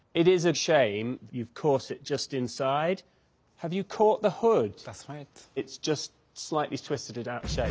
はい。